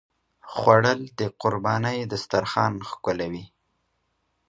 خوړل د قربانۍ دسترخوان ښکلوي